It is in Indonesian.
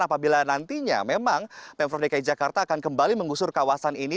apabila nantinya memang pemprov dki jakarta akan kembali mengusur kawasan ini